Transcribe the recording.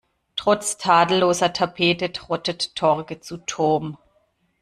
Trotz tadelloser Tapete trottet Torge zu Toom.